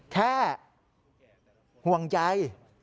แค่ห่วงใจ